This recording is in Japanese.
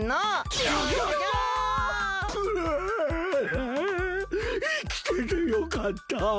ううっいきててよかった！